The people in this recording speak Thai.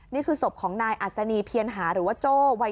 นี่คือศพของนายอัศนีเพียรหาหรือว่าโจ้วัย